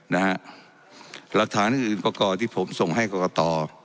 หลักฐานอื่นก็ก่อนที่ผมส่งให้กรกต